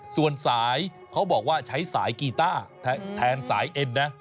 ส่วนสายเขาบอกว่าใช้สายกีต้าแทนสายเอ็นนะ